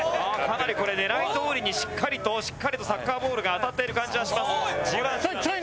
かなりこれ狙いどおりにしっかりとしっかりとサッカーボールが当たっている感じはします。